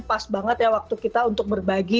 pas banget ya waktu kita untuk berbagi